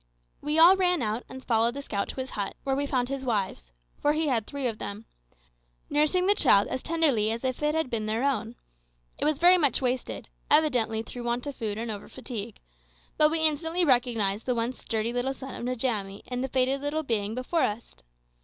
We all ran out and followed the scout to his hut, where we found his wives for he had three of them nursing the child as tenderly as if it had been their own. It was very much wasted, evidently through want of food and over fatigue; but we instantly recognised the once sturdy little son of Njamie in the faded little being before us.